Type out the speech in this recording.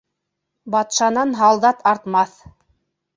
Батшанан һалдат артмаҫ.